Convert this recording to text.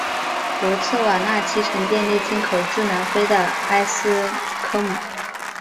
博茨瓦纳七成电力进口自南非的埃斯科姆。